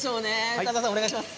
深澤さん、お願いします。